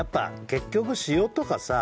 結局塩とかさ